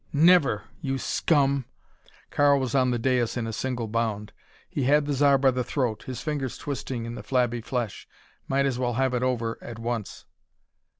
"Never! You scum!" Karl was on the dais in a single bound. He had the Zar by the throat, his fingers twisting in the flabby flesh. Might as well have it over at once.